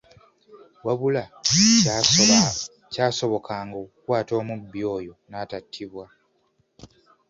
Wabula kyasobokanga okukwata omubbi oyo n’atattibwa.